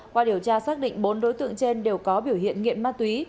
qua điều tra xác định bốn đối tượng trên đều có biểu hiện nghiện ma túy